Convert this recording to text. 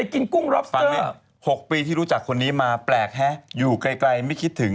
อันนี้เห็นไหมฟังนี้๖ปีที่รู้จักคนนี้มาแปลกฮะอยู่ไกลไม่คิดถึง